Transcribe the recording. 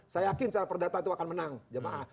saya yakin cara perdata itu akan menang jamaah